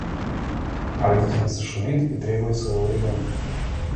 А родительница шумит и требует своего ребёнка.